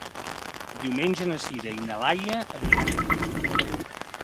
Diumenge na Sira i na Laia aniran a Vic.